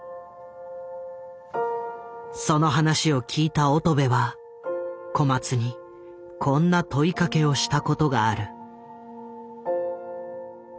その話を聞いた乙部は小松にこんな問いかけをしたことがある。